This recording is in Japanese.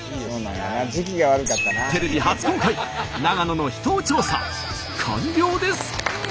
テレビ初公開長野の秘湯調査完了です。